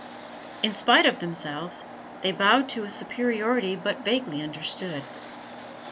In spite of themselves, they bowed to a superiority but vaguely understood.